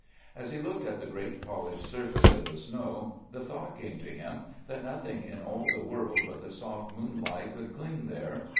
As he looked at the great polished surface of the snow, the thought came to him that nothing in all the world but the soft moonlight could cling there.